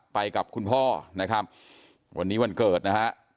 ไปกับคุณพ่อนะครับวันนี้วันเกิดนะฮะ